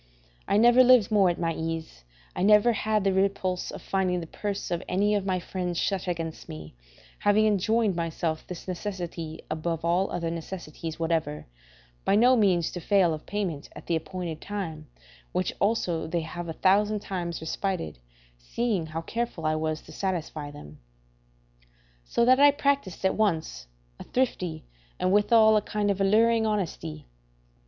I never lived more at my ease; I never had the repulse of finding the purse of any of my friends shut against me, having enjoined myself this necessity above all other necessities whatever, by no means to fail of payment at the appointed time, which also they have a thousand times respited, seeing how careful I was to satisfy them; so that I practised at once a thrifty, and withal a kind of alluring, honesty.